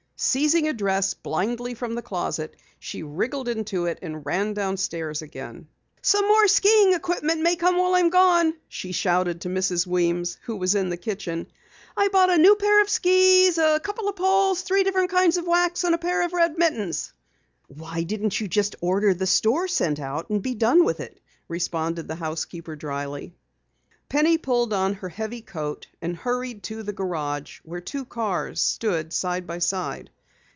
Seizing a dress blindly from the closet, she wriggled into it and ran downstairs again. "Some more skiing equipment may come while I'm gone," she shouted to Mrs. Weems who was in the kitchen. "I bought a new pair of skis, a couple of poles, three different kinds of wax and a pair of red mittens." "Why didn't you order the store sent out and be done with it?" responded the housekeeper dryly. Penny pulled on her heavy coat and hurried to the garage where two cars stood side by side.